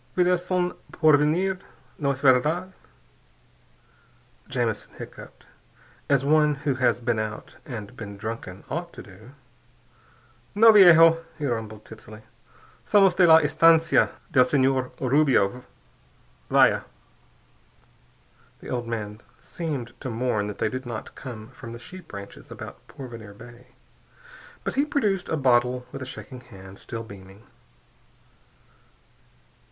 "Vdes son de Porvenir, no es verdad?" Jamison hiccoughed, as one who has been out and been drunken ought to do. "No, viejo," he rumbled tipsily, "somos de la estancia del Señor Rubio. Vaya." The old man seemed to mourn that they did not come from the sheep ranches about Porvenir Bay. But he produced a bottle with a shaking hand, still beaming.